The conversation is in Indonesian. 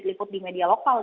liput di media lokal